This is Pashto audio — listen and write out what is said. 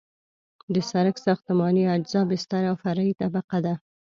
د سرک ساختماني اجزا بستر او فرعي طبقه ده